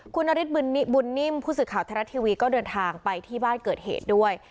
คุณนฤทธิบุญนิบุญนิ่มผู้สื่อข่าวไทยรัฐทีวีก็เดินทางไปที่บ้านเกิดเหตุด้วย